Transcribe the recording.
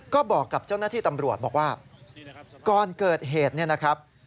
ก็บอกกับเจ้าหน้าที่ตำรวจบอกว่าก่อนเกิดเหตุเนี่ยนะครับ